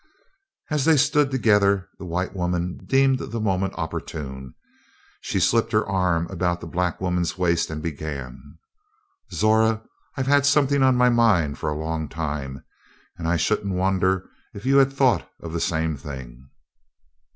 As they stood together, the white woman deemed the moment opportune; she slipped her arm about the black woman's waist and began: "Zora, I've had something on my mind for a long time, and I shouldn't wonder if you had thought of the same thing."